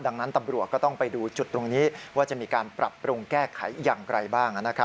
ดังนั้นตำรวจก็ต้องไปดูจุดตรงนี้ว่าจะมีการปรับปรุงแก้ไขอย่างไรบ้าง